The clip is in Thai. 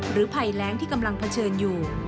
ภัยแรงที่กำลังเผชิญอยู่